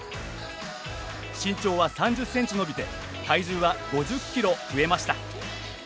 身長は３０センチ伸びて体重は５０キロ増えました。